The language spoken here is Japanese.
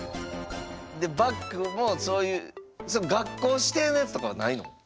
でバッグもそういう学校指定のやつとかはないの？